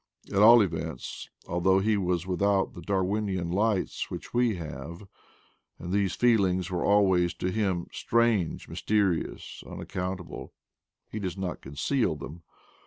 At all events, although he was without the Darwinian lights which we have, and these feelings were always to him "strange," "mysterious,' ' "unac countable," he does not conceal them.